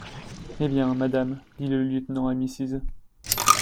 Eh bien, madame, dit le lieutenant à Mrs.